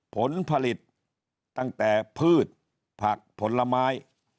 ผลผลิตตั้งแต่พืชผักผลไม้